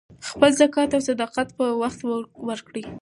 خپل زکات او صدقات په وخت ورکړئ.